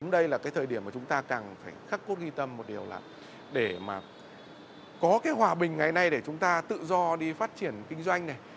đây là cái thời điểm mà chúng ta càng phải khắc cốt ghi tâm một điều là để mà có cái hòa bình ngày nay để chúng ta tự do đi phát triển kinh doanh này